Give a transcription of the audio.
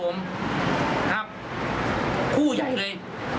ครับคู่ใหญ่เลย